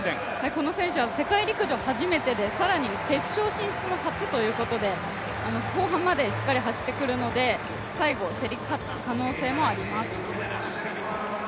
この選手は世界陸上初めてで、更に決勝進出も初ということで後半までしっかり走ってくるので、最後競り勝つ可能性もあります。